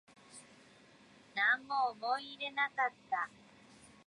なんも思い入れなかった